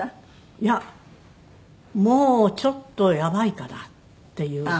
いやもうちょっとやばいかなっていう。